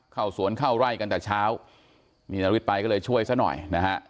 เข้าสวนเข้าไร่กันแต่เช้านี่นาริสไปก็เลยช่วยซะหน่อยนะฮะ